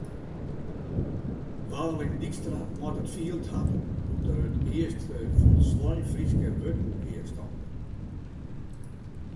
Waling Dykstra moat it field hawwe doe’t er it earste folslein Fryske wurdboek gearstalde.